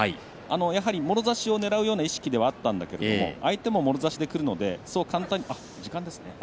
やはりもろ差しをねらうような意識があったんだけれど相手ももろ差しでくるので時間ですね。